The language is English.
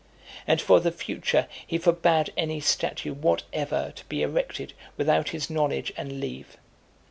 And, for the future, he forbad any statue whatever to be erected without his knowledge and leave.